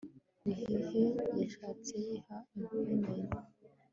bihehe yarasetse yiha inkwenene